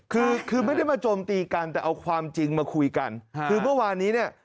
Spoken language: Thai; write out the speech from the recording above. คือคือไม่ได้มาโจมตีกันแต่เอาความจริงมาคุยกันคือเมื่อวานนี้เนี่ย